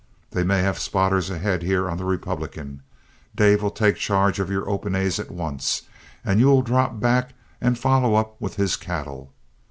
They may have spotters ahead here on the Republican; Dave will take charge of your 'Open A's' at once, and you will drop back and follow up with his cattle.